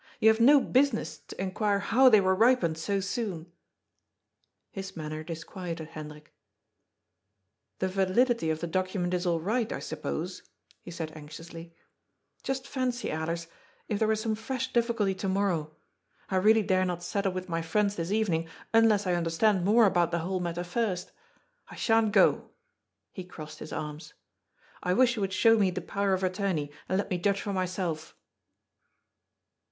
You have no business to inquire how they were ripened so soon." His manner disquieted Hendrik. " The validity of the document is all right, I suppose," he said anxiously. " Just fancy, Alers, if there were some fresh difficulty to morrow. I really dare not settle with my friends this evening, unless I understand nu)re about the whole matter first. I sha'n't go." He crossed his arms. " I wish you would show me the Power of Attorney, and let me judge for myself."